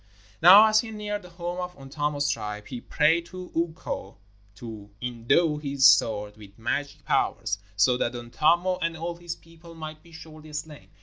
Now as he neared the home of Untamo's tribe, he prayed to Ukko to endow his sword with magic powers, so that Untamo and all his people might be surely slain.